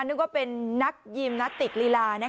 นึกว่าเป็นนักยิมนาติกลีลา